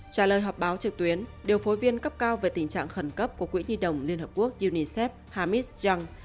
trả lời họp báo trực tuyến điều phối viên cấp cao về tình trạng khẩn cấp của quỹ nhi đồng liên hợp quốc unicef hamis jung